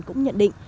cũng nhận định